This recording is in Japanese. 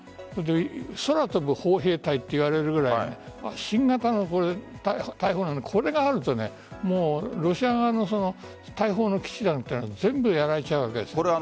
空飛ぶ砲兵隊といわれるくらい新型の大砲で、これがあるとロシア側の大砲の基地が全部やられちゃう。